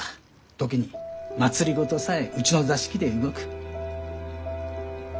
時に政さえうちの座敷で動く。